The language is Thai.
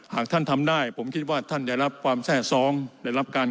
หากท่านทำได้ผมคิดว่าท่านได้รับความแทร่ซ้องได้รับการ